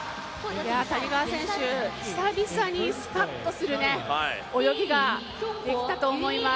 谷川選手、久々にスカッとする泳ぎができたと思います。